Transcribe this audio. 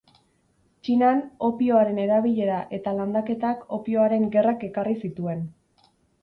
Txinan, opioaren erabilera eta landaketak Opioaren Gerrak ekarri zituen.